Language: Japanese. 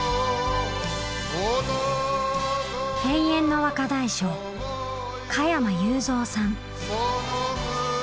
永遠の若大将加山雄三さん。